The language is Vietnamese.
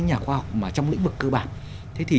nhà khoa học mà trong lĩnh vực cơ bản thế thì